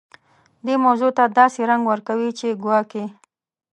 دې موضوع ته داسې رنګ ورکوي چې ګواکې.